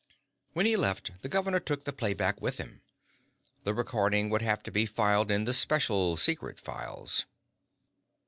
When he left, the governor took the playback with him. The recording would have to be filed in the special secret files.